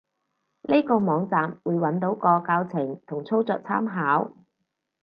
呢個網站，會揾到個教程同操作參考